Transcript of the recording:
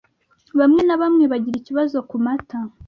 bamwe na bamwe bagira ikibazo ku mata